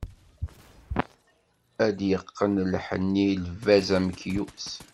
Ad yeqqen lḥenni, lbaz amekyus.